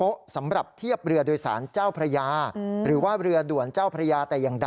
แล้วบางครั้งตรงโป๊ะก็มีประชาชนมาทำบุญปล่าตรงท่าเรือตรงโป๊ะดังกล่าวอยู่บ่อยครั้งนะครับ